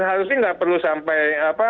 harusnya nggak perlu sampai